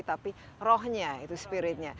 tapi rohnya itu spiritnya